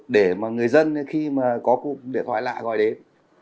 để mà người dân khi mà có cuộc điện thoại lạ gọi đến